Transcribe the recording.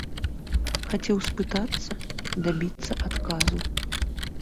Хацеў спытацца, дабіцца адказу.